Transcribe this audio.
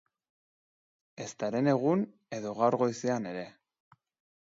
Ezta herenegun edo gaur goizean ere.